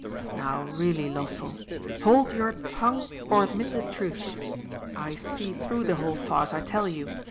" Now really, Lossell —"^^ Hold your tongue, or admit the truth. I see through the whole farce, I tell you.